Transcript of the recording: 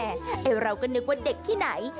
ไอ้เราก็นึกว่าเด็กที่ไหน